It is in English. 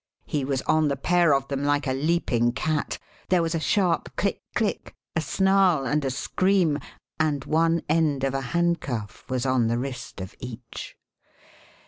He was on the pair of them like a leaping cat; there was a sharp click click, a snarl, and a scream, and one end of a handcuff was on the wrist of each.